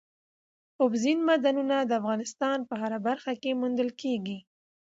اوبزین معدنونه د افغانستان په هره برخه کې موندل کېږي.